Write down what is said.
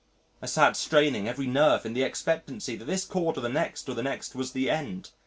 I sat still straining every nerve in the expectancy that this chord or the next or the next was the end.